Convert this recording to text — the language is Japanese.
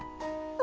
あ。